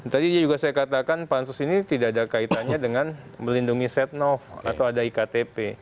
tadi juga saya katakan pansus ini tidak ada kaitannya dengan melindungi setnov atau ada iktp